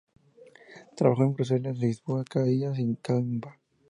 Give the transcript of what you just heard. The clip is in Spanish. Trabajó en Bruselas, Lisboa, Cascais y Coímbra.